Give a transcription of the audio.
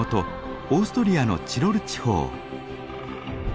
オーストリアのチロル地方。